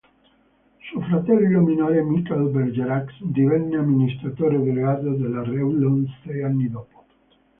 Suo fratello minore Michel Bergerac divenne amministratore delegato della Revlon sei anni dopo.